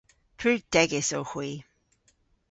Pur degys owgh hwi.